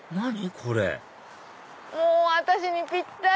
これ私にぴったり！